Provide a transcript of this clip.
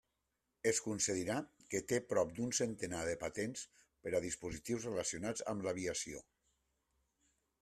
Es concedira que té prop d'un centenar de patents per a dispositius relacionats amb l'aviació.